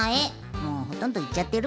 もうほとんどいっちゃってるけど。